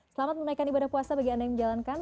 selamat menaikkan ibadah puasa bagi anda yang menjalankan